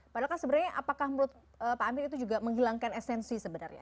padahal kan sebenarnya apakah menurut pak amir itu juga menghilangkan esensi sebenarnya